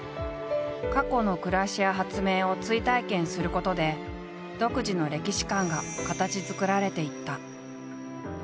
過去の暮らしや発明を追体験することで独自の歴史観が形づくられていった。